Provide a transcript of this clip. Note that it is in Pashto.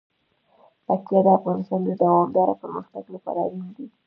پکتیا د افغانستان د دوامداره پرمختګ لپاره اړین دي.